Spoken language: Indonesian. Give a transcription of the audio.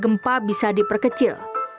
gempa bisa diperkecil